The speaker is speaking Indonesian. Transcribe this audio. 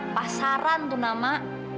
pasaran tuh nama